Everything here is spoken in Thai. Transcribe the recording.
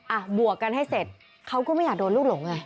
บวกกันให้เสร็จเขาก็ไม่อยากโดนลูกหลงไง